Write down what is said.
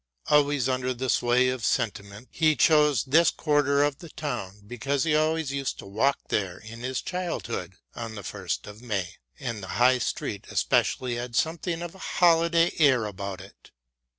Always under the sway of sentiment, he chose this quarter of the town because he always used to walk there in his childhood on the 1st of May, and the High Street especially had something of a holiday air about it.